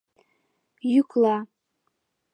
Йӱкла.